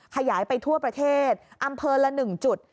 ขยายไปทั่วประเทศอำเภอละ๑จุด